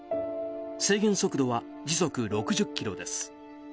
制限速度は時速６０キロです。